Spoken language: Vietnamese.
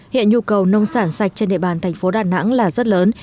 hiện nhu cầu nông sản sạch trên địa bàn thành phố đà nẵng là rất lớn